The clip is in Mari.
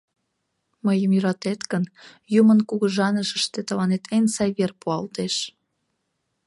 Мыйым йӧратет гын, юмын кугыжанышыште тыланет эн сай вер пуалтеш.